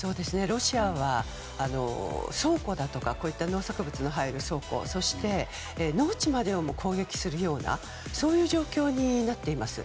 ロシアは倉庫だとか農作物の入る倉庫そして農地までをも攻撃するようなそういう状況になっています。